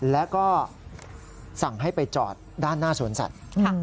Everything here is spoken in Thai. แล้วก็สั่งให้ไปจอดด้านหน้าสวนสัตว์